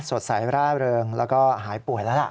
สดใสร่าเริงแล้วก็หายป่วยแล้วล่ะ